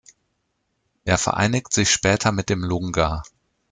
Er vereinigt sich später mit dem Lunga.